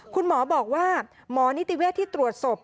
คุณหมอบอกว่าหมอนิติเวศที่ตรวจศพ